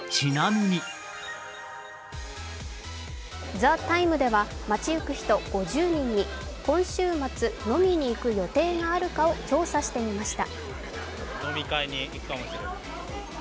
「ＴＨＥＴＩＭＥ，」では街ゆく人５０人に今週末、飲みに行く予定があるかを調査してみました。